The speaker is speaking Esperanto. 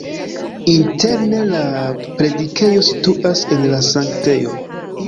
Interne la predikejo situas en la sanktejo.